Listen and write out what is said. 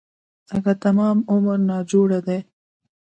اگه تمام عمر ناجوړه دی.